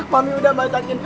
mami udah masakin